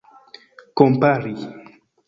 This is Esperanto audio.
kompari